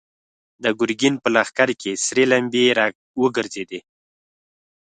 د ګرګين په لښکر کې سرې لمبې را وګرځېدې.